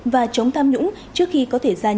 và truyền thống của các nước